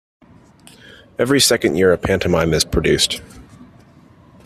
Every second year a pantomime is produced.